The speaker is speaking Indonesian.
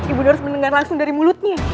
ibunda harus mendengar langsung dari mulutmu